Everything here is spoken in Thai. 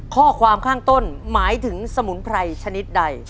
ข้อความข้างต้นหมายถึงสมุนไพรชนิดใด